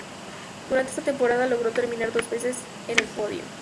Durante esa temporada logró terminar por dos veces en el podio.